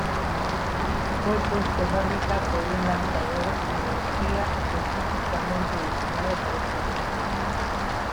Fue puesto en órbita por un lanzador Energía específicamente diseñado para este vuelo.